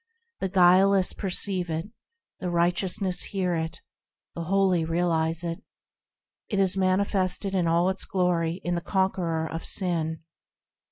The guileless perceive it; The righteous hear it; The holy realise it. It is manifested in all its glory in the conqueror of sin.